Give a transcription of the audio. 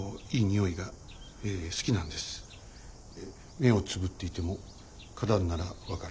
目をつぶっていても花壇なら分かる。